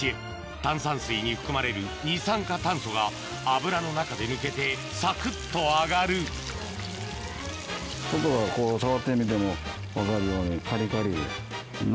炭酸水に含まれる二酸化炭素が油の中で抜けてサクっと揚がる触ってみても分かるように。